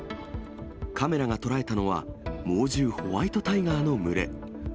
カメラが捉えたのは、猛獣、ホワイトタイガーの群れ。